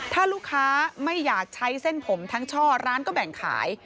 ถ้าลูกค้าไม่อยากใช้เส้นผมทั้งช่อร้านก็แบ่งขาย